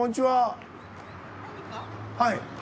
はい。